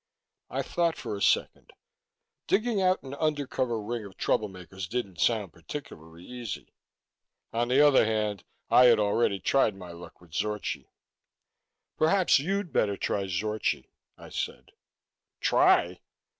I thought for a second. Digging out an undercover ring of troublemakers didn't sound particularly easy. On the other hand, I had already tried my luck with Zorchi. "Perhaps you'd better try Zorchi," I said. "Try?"